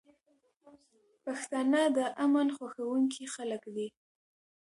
پښتانه د امن خوښونکي خلک دي.